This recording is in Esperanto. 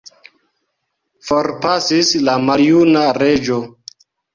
Forpasis la maljuna reĝo.